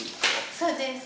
そうです。